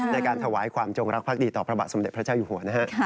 ในการถวายความจงรักภักดีต่อพระบาทสมเด็จพระเจ้าอยู่หัวนะฮะ